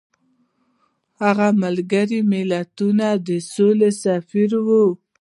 هغه د ملګرو ملتونو د سولې سفیر و.